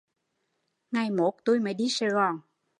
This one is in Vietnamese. Ngày mốt tui mới đi Sài gòn